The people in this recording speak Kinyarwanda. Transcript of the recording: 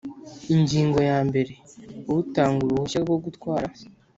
Ingingo ya mbere Utanga uruhushya rwo gutwara